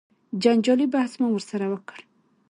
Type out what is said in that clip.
جنجالي بحث مو ورسره وکړ.